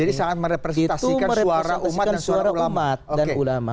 jadi sangat merepresentasikan suara umat dan ulama